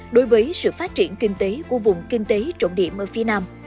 đối với sự phát triển kinh tế của vùng kinh tế trọng điểm ở phía nam